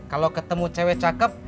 kalau ketemu cewek cakep